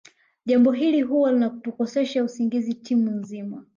Jambo hili huwa linatukosesha usingizi timu nzima